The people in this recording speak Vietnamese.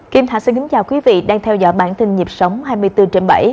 kim thạch xin kính chào quý vị đang theo dõi bản tin nhịp sống hai mươi bốn trên bảy